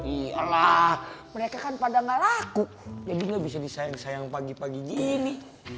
iyalah mereka kan pada gak laku jadi gak bisa disayang sayang pagi pagi gini